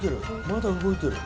まだ動いてる。